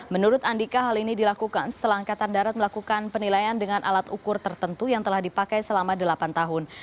menurut andika hal ini dilakukan setelah angkatan darat melakukan penilaian dengan alat ukur tertentu yang telah dipakai selama delapan tahun